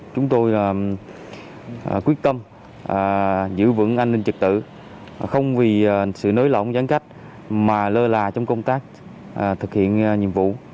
chúng tôi quyết tâm giữ vững an ninh trực tự không vì sự nới lỏng giãn cách mà lơ là trong công tác thực hiện nhiệm vụ